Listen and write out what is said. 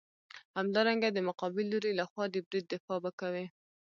همدارنګه د مقابل لوري لخوا د برید دفاع به کوې.